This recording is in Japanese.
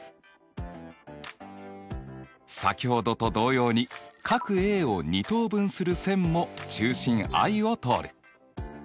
先ほどと同様にＡを二等分する線も中心Ｉを通る。